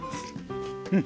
うん！